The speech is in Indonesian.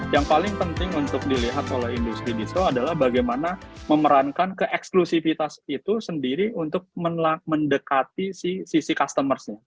yang paling penting untuk dilihat oleh industri diesel adalah bagaimana memerankan keeksklusifitas itu sendiri untuk mendekati sisi customer nya